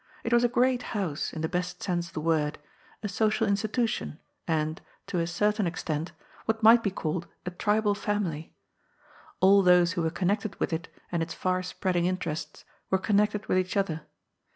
It was a great house in the best sense of the word, a social institution, and — ^to a certain extent — what might be called a tribal family. All those who were connected with it and its far spreading interests, were connected with each jother.